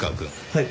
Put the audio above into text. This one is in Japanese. はい。